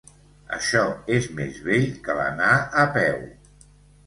Això és més vell que l'anar a peu.